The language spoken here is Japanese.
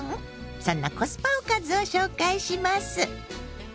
そんなコスパおかずを紹介します。